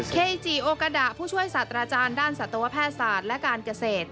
เคจีโอกาดะผู้ช่วยสัตว์ราชาญด้านสัตวแพทย์สัตว์และการเกษตร